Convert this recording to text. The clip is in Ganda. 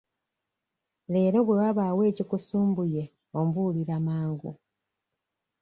Leero bwe wabaawo ekikusumbuye ombuulira mangu.